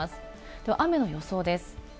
では雨の予想です。